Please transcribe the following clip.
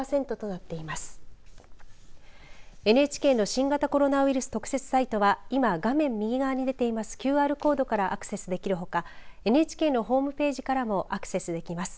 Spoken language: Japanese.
新型コロナウイルス特設サイトは今、画面右側に出ているＱＲコードからアクセスできるほかＮＨＫのホームページからもアクセスできます。